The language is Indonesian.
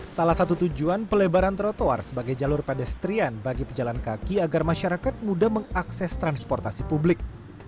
salah satu tujuan pelebaran trotoar sebagai jalur pedestrian bagi pejalan kaki agar masyarakat mudah mengakses transportasi publik